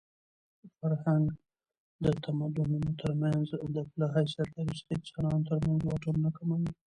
فرهنګ د تمدنونو ترمنځ د پله حیثیت لري چې د انسانانو ترمنځ واټنونه کموي.